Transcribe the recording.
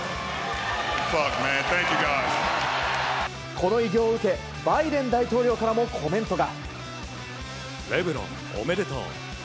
この偉業を受けバイデン大統領からもコメントが。